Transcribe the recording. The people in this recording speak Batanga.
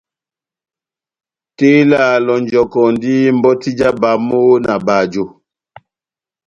Tela a lonjɔkɔndi mbɔti ja bamo na bajo.